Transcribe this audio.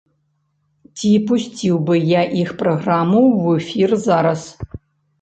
Ці пусціў бы я іх праграму ў эфір зараз?